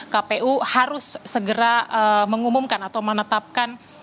kpu harus segera mengumumkan atau menetapkan